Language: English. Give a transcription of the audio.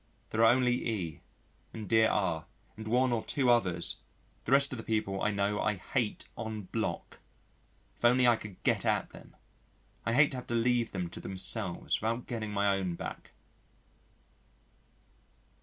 There are only E and dear R and one or two others the rest of the people I know I hate en bloc. If only I could get at them. I hate to have to leave them to themselves without getting my own back.